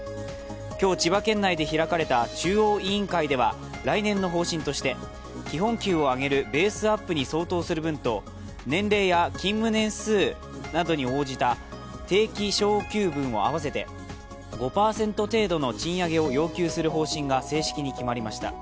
今日、千葉県内で開かれた中央委員会では来年の方針として基本給を上げるベースアップに相当する分と、年齢や勤務年数などに応じた定期昇給分を合わせて５％程度の賃上げを要求する方針が正式に決まりました。